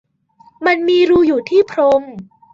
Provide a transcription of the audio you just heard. มันมีรูอยู่ที่พรม